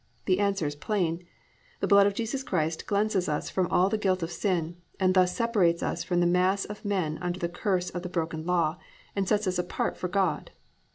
The answer is plain: The blood of Jesus Christ cleanses us from all the guilt of sin, and thus separates us from the mass of men under the curse of the broken law, and sets us apart for God (cf.